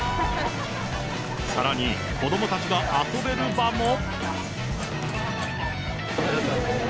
さらに子どもたちが遊べる場も。